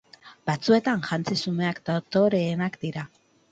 Batzuetan, jantzi xumeak dotoreenak dira.